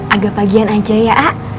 agak pagian aja ya a